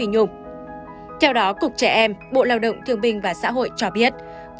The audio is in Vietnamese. yêu âm nhạc việt